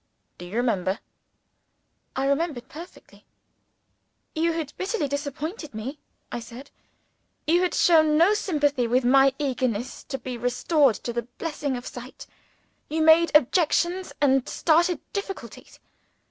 Do you remember?" I remembered perfectly. "You had bitterly disappointed me," I said. "You had shown no sympathy with my eagerness to be restored to the blessing of sight. You made objections and started difficulties.